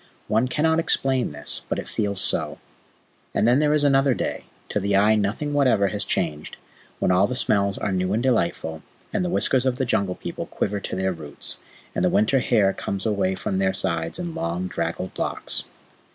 One cannot explain this, but it feels so. Then there is another day to the eye nothing whatever has changed when all the smells are new and delightful, and the whiskers of the Jungle People quiver to their roots, and the winter hair comes away from their sides in long, draggled locks.